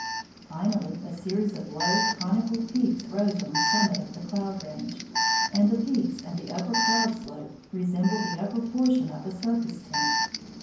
Finally a series of low, conical peaks rose on the summit of the cloud range, and the peaks and the upper cloud slope resembled the upper portion of a circus tent.